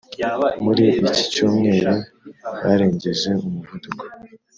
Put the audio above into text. muri iki cyumweru barengeje umuvuduko